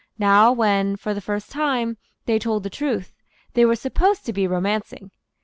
Now, when, for the first time, they told the truth, they were supposed to be romancing.